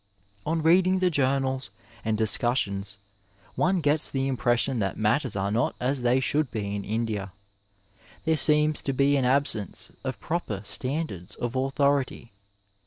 On reading the journals and discussions one gets the impression that matters are not as they should be in India. There seems to be an absence of proper standards of autho rity.